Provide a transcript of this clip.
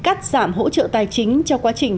cắt giảm hỗ trợ tài chính cho quá trình